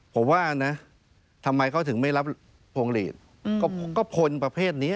ผมว่านะทำไมเขาถึงไม่รับพวงหลีดก็พลประเภทนี้